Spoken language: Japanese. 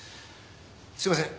すいません。